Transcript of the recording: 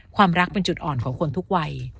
ความรักเป็นจุดอ่อนของคนทุกวัย